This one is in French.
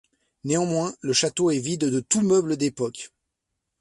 Néanmoins le château est vide de tout meuble d'époque.